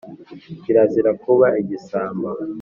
kirazira kuba igisambo